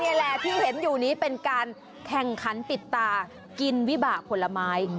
นี่แหละที่เห็นอยู่นี้เป็นการแข่งขันปิดตากินวิบากผลไม้